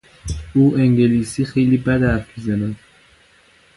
او انگلیسی خیلی بد حرف میزند.